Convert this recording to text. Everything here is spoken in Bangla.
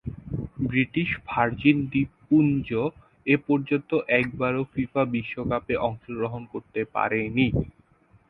ব্রিটিশ ভার্জিন দ্বীপপুঞ্জ এপর্যন্ত একবারও ফিফা বিশ্বকাপে অংশগ্রহণ করতে পারেনি।